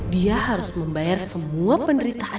dia harus membayar semua penderitaan